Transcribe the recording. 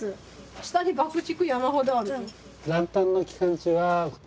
下に爆竹山ほどある。